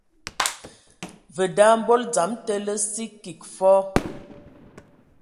Vǝ da mbol dzam te lǝ sǝ kig fɔɔ.